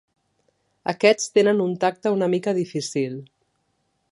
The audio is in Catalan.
Aquests tenen un tacte una mica difícil.